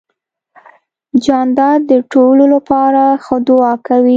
جانداد د ټولو لپاره ښه دعا کوي.